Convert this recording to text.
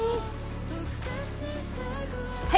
はい。